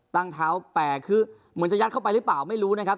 ตั้งเท้าแตกคือเหมือนจะยัดเข้าไปหรือเปล่าไม่รู้นะครับ